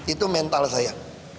itu mental saya